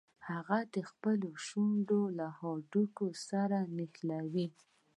هغه خپلې شونډې له هډوکي سره نښلوي.